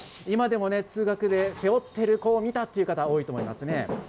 今でも通学で背負っている子を見たっていう方は多いと思いますね。